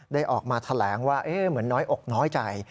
ออกมาแถลงว่าเหมือนน้อยอกน้อยใจ